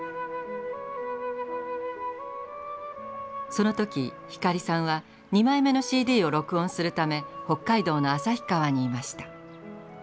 その時光さんは２枚目のＣＤを録音するため北海道の旭川にいました。